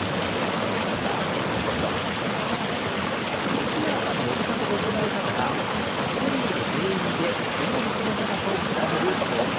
内村さんの呼びかけで行われたのが、アスリート全員で倒立の長さを比べる競争。